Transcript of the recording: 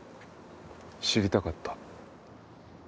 知りたかった。